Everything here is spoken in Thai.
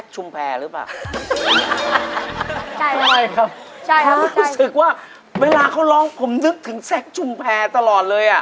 ฉันคือว่าเวลาเขาลองผมนึกถึงแซคจุมแพร์ตลอดเลย